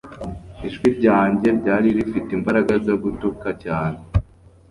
Ijwi ryanjye ryari rifite imbaraga zo gutaka cyane